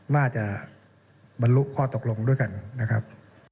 น่าจะบรรลุข้อตกลงด้วยกันนะครับ